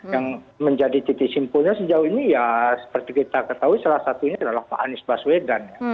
yang menjadi titik simpulnya sejauh ini ya seperti kita ketahui salah satunya adalah pak anies baswedan ya